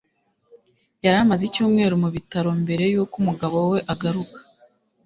yari amaze icyumweru mu bitaro mbere yuko umugabo we agaruka